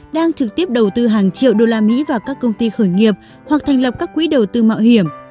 đang trực tiếp đầu tư hàng triệu đô la mỹ vào các công ty khởi nghiệp hoặc thành lập các quỹ đầu tư mạo hiểm